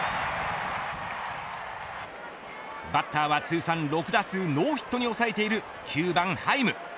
バッターは通算６打数ノーヒットに抑えている９番、ハイム。